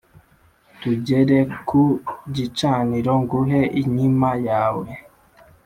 tugere ku gicaniro nguhe inkima yawe